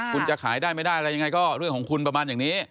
คุณจะขายได้ไม่ได้อะไรยังไงก็เรื่องของคุณประมาณอย่างนี้